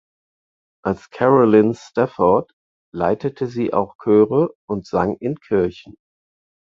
Als "Carolyn Stafford" leitete sie auch Chöre und sang in Kirchen.